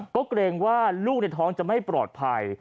ก็เกรงว่าลูกในท้องจะไม่ปลอดภัย